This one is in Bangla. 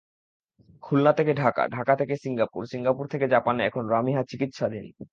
খুলনা থেকে ঢাকা, ঢাকা থেকে সিঙ্গাপুর, সিঙ্গাপুর থেকে জাপানে এখন রামিহা চিকিৎসাধীন।